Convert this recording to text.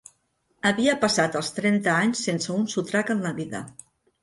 Havia passat els trenta anys sense un sotrac en la vida